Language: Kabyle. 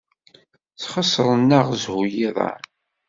Sxesṛen-aɣ zzhu yiḍan.